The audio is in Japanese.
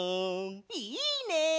いいね！